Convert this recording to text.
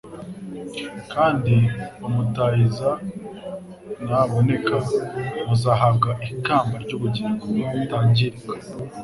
Kandi umutahiza n'aboneka muzahabwa ikamba ry'ubugingo ritangirika.'